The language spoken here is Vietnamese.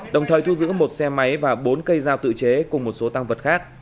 đồng thời thu giữ một xe máy và bốn cây dao tự chế cùng một số tăng vật khác